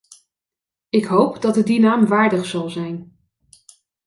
Ik hoop dat het die naam waardig zal zijn.